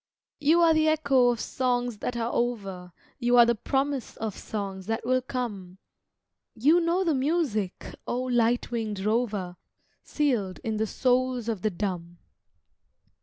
You are the echo of songs that are over, You are the promise of songs that will come, You know the music, oh, light winged rover, Sealed in the souls of the dumb.